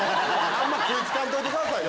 あんま食い付かんといてください。